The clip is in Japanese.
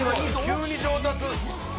「急に上達！